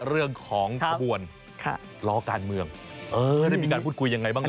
เรื่องของขบวนล้อการเมืองเออได้มีการพูดคุยยังไงบ้างล่ะ